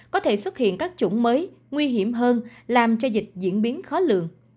có thể xuất hiện các chủng mới nguy hiểm hơn làm cho dịch diễn biến khó lường